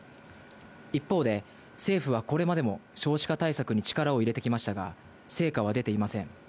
一方で、政府はこれまでも少子化対策に力を入れてきましたが、成果は出ていません。